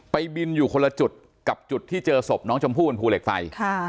บินอยู่คนละจุดกับจุดที่เจอศพน้องชมพู่บนภูเหล็กไฟ